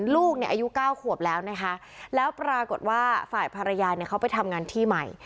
ลูกอายุเก้าขวบแล้วนะคะแล้วปรากฏว่าฝ่ายภรรยาเขาไปทำงานที่ใหม่